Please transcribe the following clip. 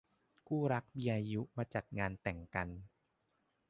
คู่รักมีอายุมาจัดงานแต่งกัน